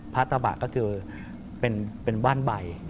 ตะบะก็คือเป็นว่านใบ